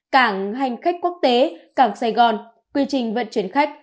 cảng hành khách quốc tế cảng sài gòn quy trình vận chuyển khách